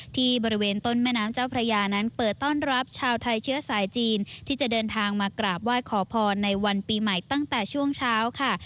ที่บริเวณต้นแม่น้ำเจ้าพระยานั้นเปิดต้อนรับชาวไทยเชื้อสายจีนที่จะเดินทางมากราบไหว้ขอพรในวันปีใหม่ตั้งแต่ช่วงเช้าค่ะ